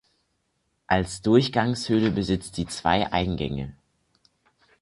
Als Durchgangshöhle besitzt sie zwei Eingänge.